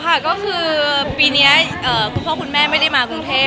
ค่ะก็คือปีนี้คุณพ่อคุณแม่ไม่ได้มากรุงเทพ